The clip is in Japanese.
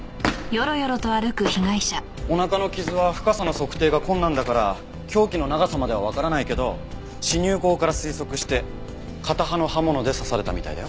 お腹の傷は深さの測定が困難だから凶器の長さまではわからないけど刺入口から推測して片刃の刃物で刺されたみたいだよ。